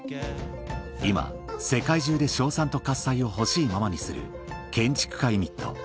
今世界中で称賛と喝采を欲しいままにする建築家ユニット